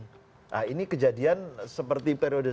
nah ini kejadian seperti periode